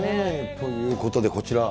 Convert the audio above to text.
ということで、こちら。